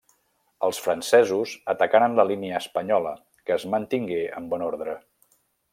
Els francesos atacaren la línia espanyola, que es mantingué en bon ordre.